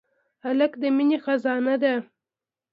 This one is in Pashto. هلک د مینې خزانه ده.